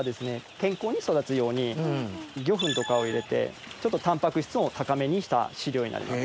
健康に育つように魚粉とかを入れてちょっとタンパク質を高めにした飼料になります。